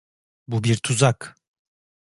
Bu bir tuzak.